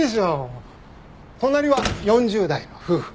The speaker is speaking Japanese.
隣は４０代の夫婦。